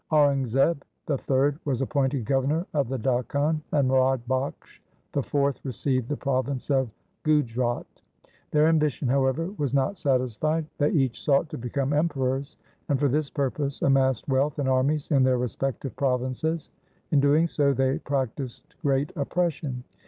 Aurangzeb the third was appointed governor of the Dakhan, and Murad Bakhsh the fourth received the province of Gujrat. Their ambition, however, was not satisfied. They each sought to become Emperors, and for this purpose amassed wealth and armies in their respective provinces. In doing so they prac tised great oppression.